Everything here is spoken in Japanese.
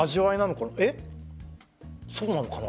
そうなのかな。